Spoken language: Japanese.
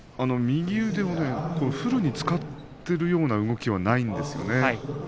右腕をフルに使っているような動きはないんですよね。